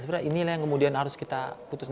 sebenarnya inilah yang kemudian harus kita putuskan